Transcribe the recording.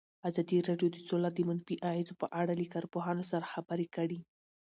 ازادي راډیو د سوله د منفي اغېزو په اړه له کارپوهانو سره خبرې کړي.